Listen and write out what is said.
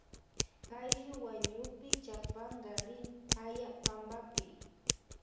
Ayllu wañukpi chapanka rin aya panpapi.